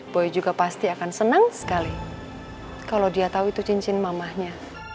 boy juga pasti akan senang sekali kalau dia tahu itu cincin mamahnya